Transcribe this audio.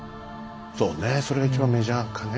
そうねそれが一番メジャーかね